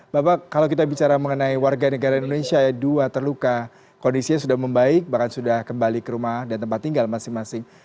bapak kalau kita bicara mengenai warga negara indonesia ya dua terluka kondisinya sudah membaik bahkan sudah kembali ke rumah dan tempat tinggal masing masing